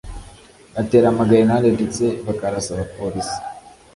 batera amagerenade ndetse bakarasa abapolisi